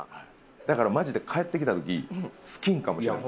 だからマジで帰ってきた時スキンかもしれない。